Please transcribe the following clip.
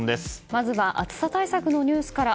まずは暑さ対策のニュースから。